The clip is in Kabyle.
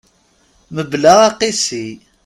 Mebla aqisi.